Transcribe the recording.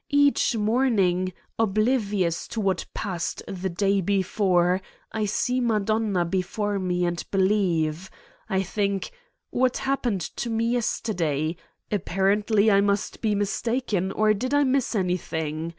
Each morning, oblivious to what passed the day before, I see Madonna before me and believe. I think: what happened to me yesterday? Ap parently, I must be mistaken or did I miss any thing?